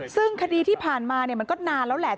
ซึ่งคดีที่ผ่านมามันก็นานแล้วแหละ